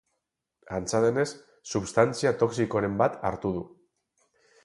Antza denez, substantzia toxikoren bat hartu du.